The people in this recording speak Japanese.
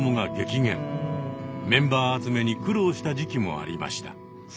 メンバー集めに苦労した時期もありました。